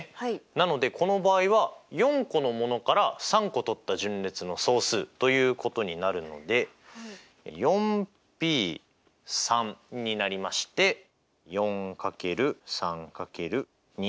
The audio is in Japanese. なのでこの場合は４個のものから３個とった順列の総数ということになるので４Ｐ３になりまして４×３×２。